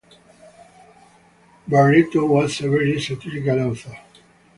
Barreto was a very satirical author.